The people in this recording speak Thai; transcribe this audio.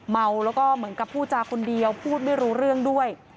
เมาแล้วก็เหมือนกับพูดจาคนเดียวพูดไม่รู้เรื่องด้วย